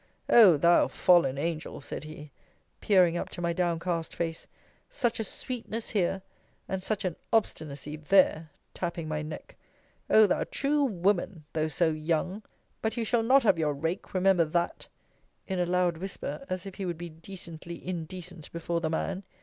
O thou fallen angel, said he, peering up to my downcast face such a sweetness here! and such an obstinacy there! tapping my neck O thou true woman though so young! But you shall not have your rake: remember that; in a loud whisper, as if he would be decently indecent before the man.